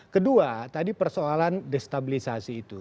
kedua tadi persoalan destabilisasi itu